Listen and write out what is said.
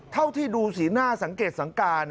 เท่าที่ดูสีหน้าสังเกตสังการ